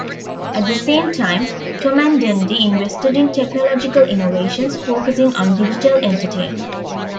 At the same time, Tomandandy invested in technological innovations focusing on digital entertainment.